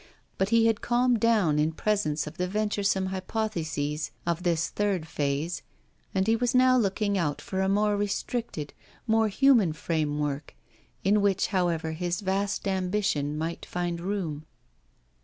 But he had calmed down in presence of the venturesome hypotheses of this third phase; and he was now looking out for a more restricted, more human framework, in which, however, his vast ambition might find room.